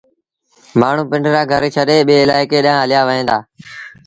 مآڻهوٚݩ پنڊرآ گھر ڇڏي ٻي الآئيڪي ڏآنهن هليآوهيݩ دآ۔